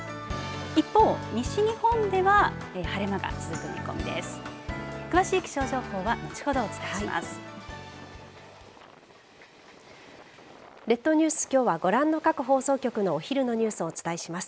一方、西日本では晴れ間が続く見込みです。